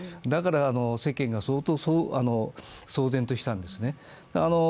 だから世間が相当、騒然としたんですね。